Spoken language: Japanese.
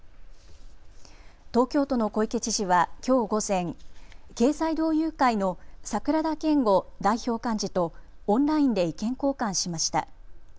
東京都の小池知事はきょう午前、経済同友会の櫻田謙悟代表幹事とオンラインで意見交換しました。